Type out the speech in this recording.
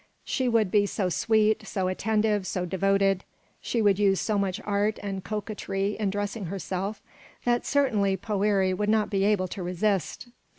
She would be so sweet, so attentive, so devoted, she would use so much art and coquetry in dressing herself, that certainly Poëri would not be able to resist.